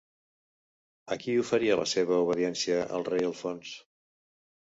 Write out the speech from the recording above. A qui oferia la seva obediència el rei Alfons?